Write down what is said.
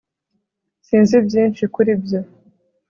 sinzi byinshi kuri ibyo